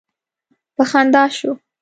په خندا شو.